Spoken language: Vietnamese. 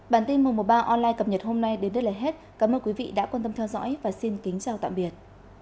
bản tin một trăm một mươi ba online cập nhật hôm nay đến đây là hết cảm ơn quý vị đã quan tâm theo dõi và xin kính chào tạm biệt